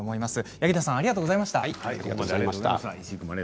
八木田さんありがとうございました。